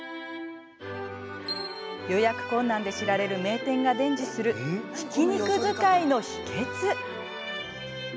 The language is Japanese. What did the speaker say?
予約困難で知られる名店が伝授する、ひき肉使いの秘けつ。